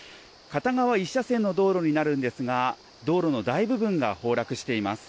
片側１車線の道路になるんですが道路の大部分が崩落しています。